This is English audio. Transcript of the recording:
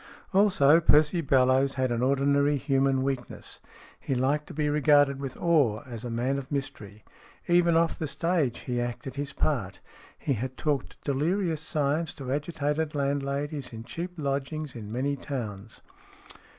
Also, Percy Bellowes had an ordinary human weakness ; he liked to be regarded with awe as a man of mystery. Even off the stage he acted his part. He had talked delirious science to agitated landladies in cheap lodgings in many towns.